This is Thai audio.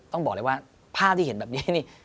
ต้องบอกเลยว่าภาพที่เห็นแบบนี้นี่